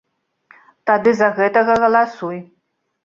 Тады за гэтага галасуй.